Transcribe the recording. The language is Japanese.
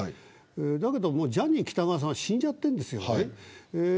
だけど、ジャニー喜多川さんは死んじゃっているんですよね。